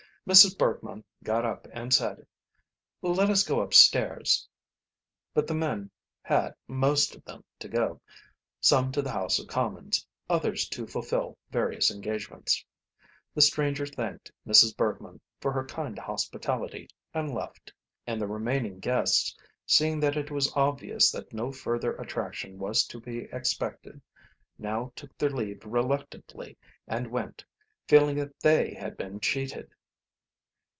Mrs. Bergmann got up and said, "Let us go upstairs." But the men had most of them to go, some to the House of Commons, others to fulfil various engagements. The stranger thanked Mrs. Bergmann for her kind hospitality and left. And the remaining guests, seeing that it was obvious that no further attraction was to be expected, now took their leave reluctantly and went, feeling that they had been cheated.